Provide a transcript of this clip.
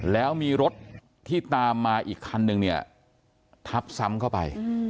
แล้วมีรถที่ตามมาอีกคันนึงเนี่ยทับซ้ำเข้าไป